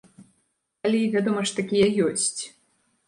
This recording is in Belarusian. Калі, вядома ж, такія ёсць.